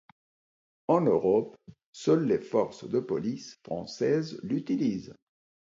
En Europe, seules les forces de police françaises l'utilisent.